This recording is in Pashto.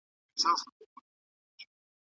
په افغانستان کي پېښې یوې په بلې پسې تېرې سوې.